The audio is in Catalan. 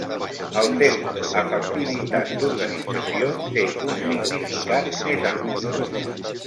El terme efectivitat d'organització té un significat més ampli.